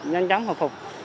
nhanh chóng phục